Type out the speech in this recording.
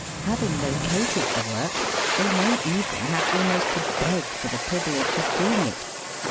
Having located the work, they may even have almost to beg for the privilege of doing it.